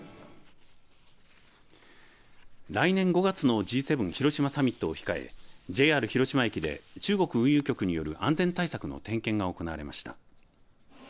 来年５月のＧ７広島サミットを控えＪＲ広島駅で中国運輸局による安全対策の点検が行われました。